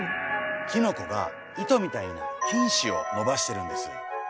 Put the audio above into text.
キノコが糸みたいな菌糸をのばしてるんです。